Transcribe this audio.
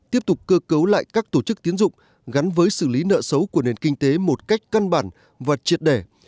tiếp tục cơ cấu lại các tổ chức tiến dụng gắn với xử lý nợ xấu của nền kinh tế một cách căn bản và triệt đẻ